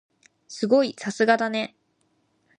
すごい！さすがだね。